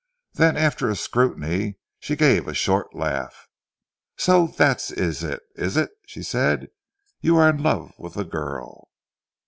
Then after a scrutiny she gave a short laugh. "So that is it, is it?" she said. "You are in love with the girl!"